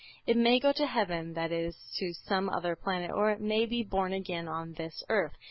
It may go to heaven, that is, to some other planet, or it may be born again on this earth.